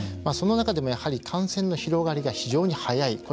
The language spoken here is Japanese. その中でも、やはり感染の広がりが非常に早い。